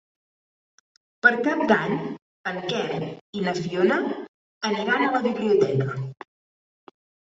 Per Cap d'Any en Quer i na Fiona aniran a la biblioteca.